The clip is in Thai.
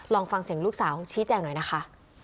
ลองฟังเสียงลูกสาวชี้แจงหน่อยนะคะ